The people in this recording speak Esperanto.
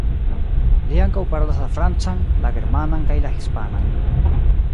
Li ankaŭ parolas la francan, la germanan kaj la hispanan.